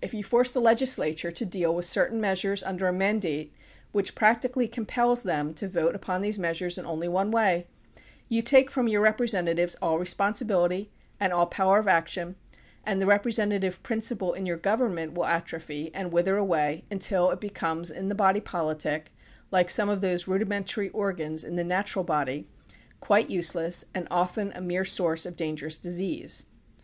If you force the legislature to deal with certain measures under a mandate which practically compels them to vote upon these measures in only one way, you take from your representatives all responsibil ity and all power of action, and the representative prin ciple in your government will atrophy and wither away until it becomes in the body politic, like some of those rudimentary organs in the natural body, quite useless and often a mere source of dangerous disease.